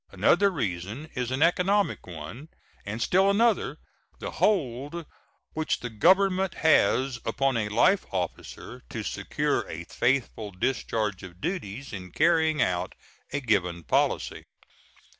Another reason is an economic one; and still another, the hold which the Government has upon a life officer to secure a faithful discharge of duties in carrying out a given policy.